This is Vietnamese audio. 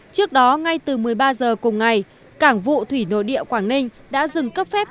trước đó ngay từ một mươi ba h cùng ngày cảng vụ thủy nội địa quảng ninh đã dừng cấp phép